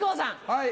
はい。